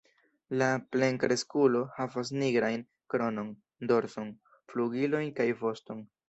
La plenkreskulo havas nigrajn kronon, dorson, flugilojn kaj voston.